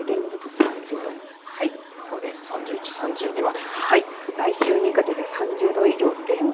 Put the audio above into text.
３１、３２まで。